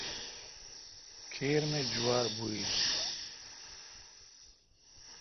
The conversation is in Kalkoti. کھیر می جوار بھویل۔